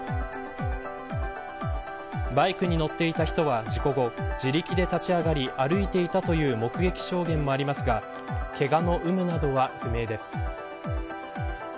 バイクに乗っていた人は事故後自力で立ち上がり、歩いていたという目撃証言もありますがけがの有無などは不明です。